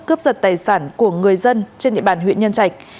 cướp giật tài sản của người dân trên địa bàn huyện nhân trạch